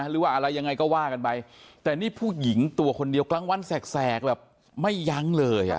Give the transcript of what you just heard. หรือว่าอะไรยังไงก็ว่ากันไปแต่นี่ผู้หญิงตัวคนเดียวกลางวันแสกแบบไม่ยั้งเลยอ่ะ